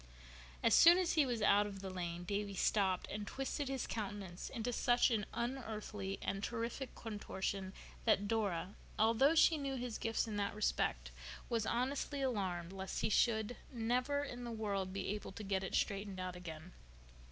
As soon as he was out of the lane Davy stopped and twisted his countenance into such an unearthly and terrific contortion that Dora, although she knew his gifts in that respect, was honestly alarmed lest he should never in the world be able to get it straightened out again.